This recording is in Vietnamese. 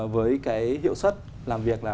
với cái hiệu suất làm việc là ba